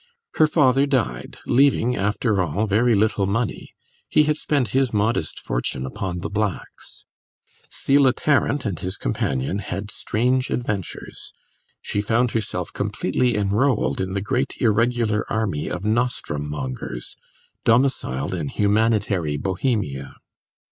Her father died, leaving, after all, very little money; he had spent his modest fortune upon the blacks. Selah Tarrant and his companion had strange adventures; she found herself completely enrolled in the great irregular army of nostrum mongers, domiciled in humanitary Bohemia.